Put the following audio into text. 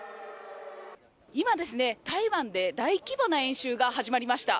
今、台湾で大規模な演習が始まりました。